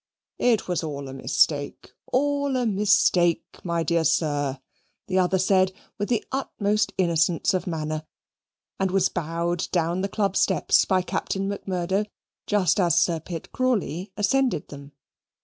"It was all a mistake all a mistake, my dear sir," the other said with the utmost innocence of manner; and was bowed down the Club steps by Captain Macmurdo, just as Sir Pitt Crawley ascended them.